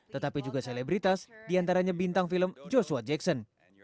tetapi juga selebritas diantaranya bintang film joshua jackson